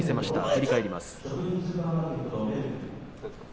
振り返ります。